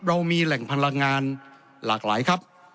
เรามีแหล่งพลังงานหลากหลายครับ